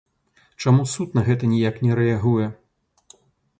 Чаму суд на гэта ніяк не рэагуе?